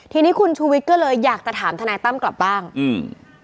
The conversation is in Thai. ทีนี้คุณชูวิทย์ก็เลยอยากจะถามทนายตั้มกลับบ้างอืม